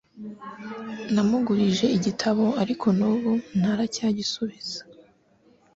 Namugurije igitabo ariko n'ubu ntaracyagisubiza.